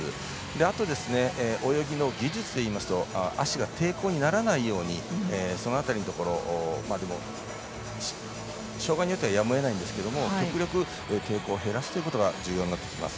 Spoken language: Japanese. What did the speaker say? あと、泳ぎの技術で言いますと足が抵抗にならないようにその辺りのところまあ障がいによってはやむを得ないんですけれども極力抵抗を減らすことが重要になってきます。